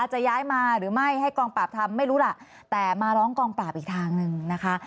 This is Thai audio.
จะย้ายมาหรือไม่ให้กองปราบทำไม่รู้ล่ะแต่มาร้องกองปราบอีกทางหนึ่งนะคะ